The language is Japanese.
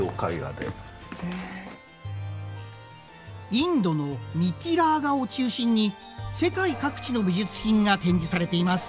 インドのミティラー画を中心に世界各地の美術品が展示されています。